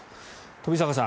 冨坂さん